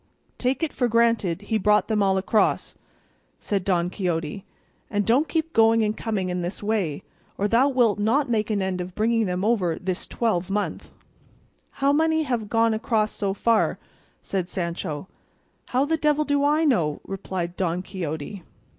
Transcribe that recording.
"Take it for granted he brought them all across," said Don Quixote, "and don't keep going and coming in this way, or thou wilt not make an end of bringing them over this twelvemonth." "How many have gone across so far?" said Sancho. "How the devil do I know?" replied Don Quixote.